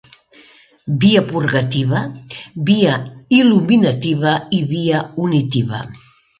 Via purgativa, via il·luminativa i via unitiva.